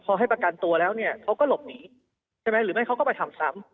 พอให้ประกันตัวแล้วเนี่ยเขาก็หลบหนีใช่ไหมหรือไม่เขาก็ไปทำซ้ำ